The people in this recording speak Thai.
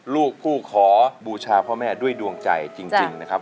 ลูกผู้ขอบูชาพ่อแม่ด้วยดวงใจจริงนะครับ